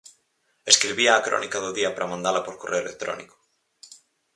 Escribía a crónica do día para mandala por correo electrónico.